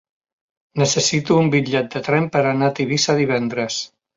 Necessito un bitllet de tren per anar a Tivissa divendres.